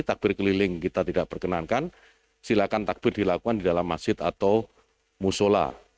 takbir keliling kita tidak perkenankan silakan takbir dilakukan di dalam masjid atau musola